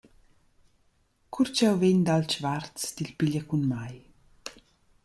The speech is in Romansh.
Cur ch’eu vegn d’alchvarts, til piglia cun mai.